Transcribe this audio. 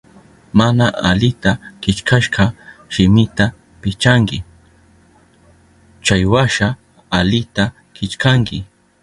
Mana alita killkashka shimita pichanki, chaywasha alita killkanki.